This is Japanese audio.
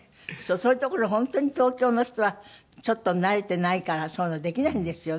そういうところ本当に東京の人はちょっと慣れていないからそういうのできないんですよね。